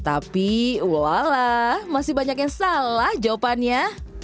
tapi walah masih banyak yang salah jawabannya